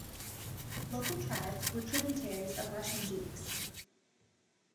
Local tribes were tributaries of Russian dukes.